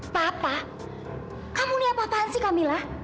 papa kamu ini apa apaan sih kamila